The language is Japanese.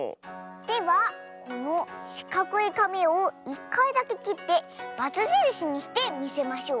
ではこのしかくいかみを１かいだけきってバツじるしにしてみせましょう。